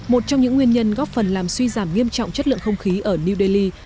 một trong những nguyên nhân góp phần làm suy giảm nghiêm trọng chất lượng không khí ở new delhi